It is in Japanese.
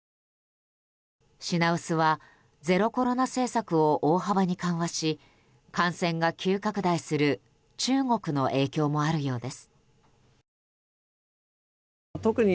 品薄は、ゼロコロナ政策を大幅に緩和し感染が急拡大する中国の影響もあるようです。